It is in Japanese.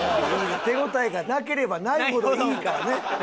手応えがなければないほどいいからね。